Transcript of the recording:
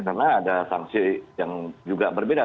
karena ada sanksi yang juga berbeda